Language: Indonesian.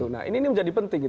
nah ini menjadi penting